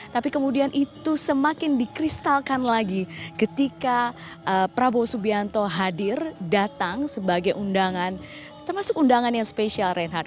tapi kemudian itu semakin dikristalkan lagi ketika prabowo subianto hadir datang sebagai undangan termasuk undangan yang spesial reinhardt